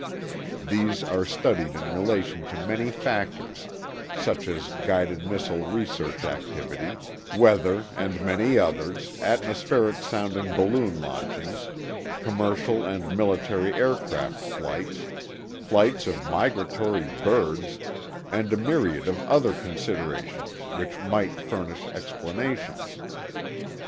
These are studied in relation to many factors such as guided missile research activity, weather, and many others, atmospheric sounding balloon launchings, commercial and military aircraft flights, flights of migratory birds and a myriad of other considerations which might furnish explanations.